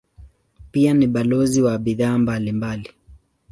Pia ni balozi wa bidhaa mbalimbali.